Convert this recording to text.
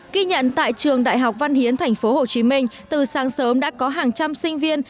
ký nhận tại trường đại học văn hiến tp hcm từ sáng sớm đã có hàng trăm sinh viên